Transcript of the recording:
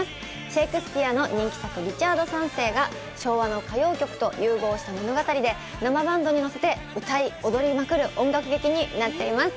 シェイクスピアの人気作「リチャード三世」が昭和の歌謡界が融合した物語で生バンドにのせて歌い踊りまくる音楽劇です。